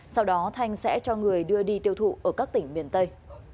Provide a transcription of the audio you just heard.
sau đó thanh sẽ cho người đưa đi tiêu thụ ở các tỉnh miền tây